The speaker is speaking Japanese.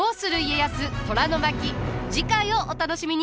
次回をお楽しみに。